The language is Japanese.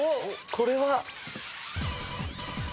これは。